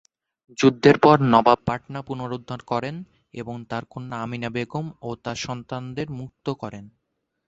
যুদ্ধের পর নবাব পাটনা পুনরুদ্ধার করেন এবং তাঁর কন্যা আমিনা বেগম ও তাঁর সন্তানদের মুক্ত করেন।